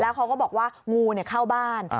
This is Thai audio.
เขาก็บอกว่างูเข้าบ้าน